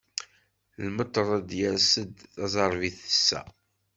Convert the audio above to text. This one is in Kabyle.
Lmetred yers-d, taẓerbit tessa.